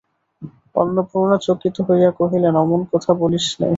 অন্নপূর্ণা চকিত হইয়া কহিলেন, অমন কথা বলিস নে।